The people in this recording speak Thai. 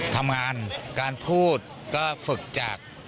ทำงานการพูดก็ฝึกจาก